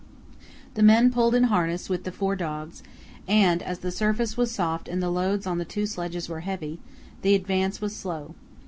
The men pulled in harness with the four dogs, and, as the surface was soft and the loads on the two sledges were heavy, the advance was slow.